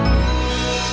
aku akan menjaga keamananmu